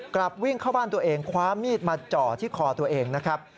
กลับวิ่งเข้าบ้านตัวเองคว้ามีดมาจ่อที่คอตัวเองนะครับ